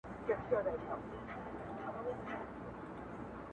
شالمار به په زلمیو هوسېږي-